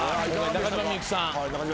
中島みゆきさん。